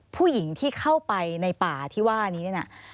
ผู้หญิงที่เข้าไปในป่าที่ว่านี้